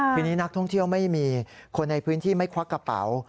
ทีนี้นักท่องเที่ยวไม่มีคนในพื้นที่ไม่ควักกระเป๋า